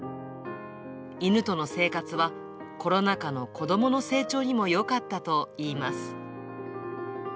犬との生活は、コロナ禍の子どもの成長にもよかったといいます。